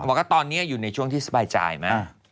บอกว่าตอนนี้อยู่ในช่วงที่สบายใจมาก